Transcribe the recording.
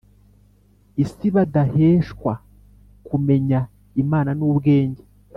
isi badaheshwa kumenya Imana n ubwenge